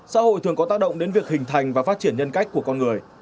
xã hội thường có tác động đến việc hình thành và phát triển nhân cách của con người